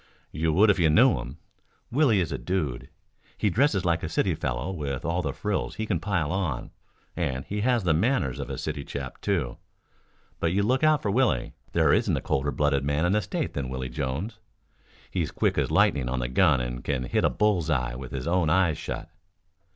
"You would if you knew him. Willie is a dude. He dresses like a city fellow with all the frills he can pile on, and he has the manners of a city chap too. But you look out for Willie. There isn't a colder blooded man in the state than Willie Jones. He's quick as lightning on the gun and can hit a bull's eye with his own eyes shut."